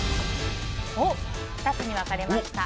２つに分かれました。